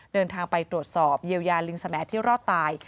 เดินทางไปตรวจสอบเยียวยาลิงสมแอที่รอดตาย